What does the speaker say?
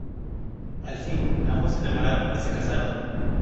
Al fin, ambos se enamoraron y se casaron.